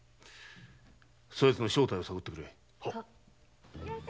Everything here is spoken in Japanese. そやつの正体を探ってくれ。